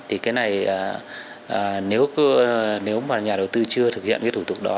thì cái này nếu mà nhà đầu tư chưa thực hiện cái thủ tục đó